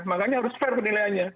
makanya harus fair penilaiannya